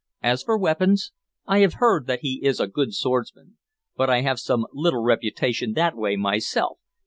As for weapons, I have heard that he is a good swordsman, but I have some little reputation that way myself.